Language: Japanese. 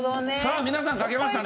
さあ皆さん書けましたね。